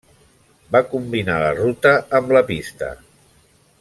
Va combinar la ruta amb la pista.